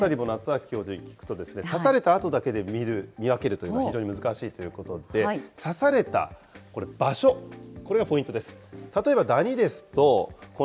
そのあたりも夏秋教授に聞くと、刺された痕だけで見分けるというのは非常に難しいということで、刺された場所、これがポイントです。